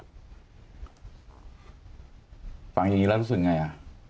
ฟังอย่างนี้แล้วรู้สึกไงอ่ะ